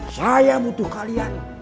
saya butuh kalian